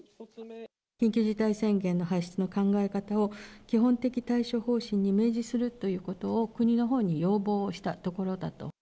緊急事態宣言の発出の考え方を、基本的対処方針に明示するということを、国のほうに要望したところだと。